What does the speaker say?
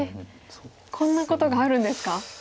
こんなことがあるんですか？